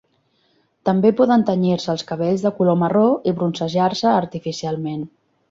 També poden tenyir-se els cabells de color marró i bronzejar-se artificialment.